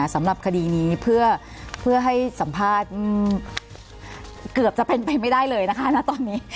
สำหรับคดีนี้เพื่อให้สัมภาษณ์เกือบจะเป็นไปไม่ได้เลยนะคะณตอนนี้